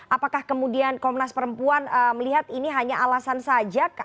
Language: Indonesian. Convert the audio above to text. apakah kemudian komnas perempuan melihat ini hanya alasan saja